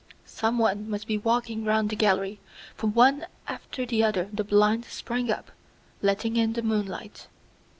Someone must be walking round the gallery, for one after the other the blinds sprang up, letting in the moonlight.